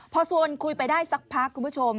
พอชวนคุยไปได้สักพักคุณผู้ชม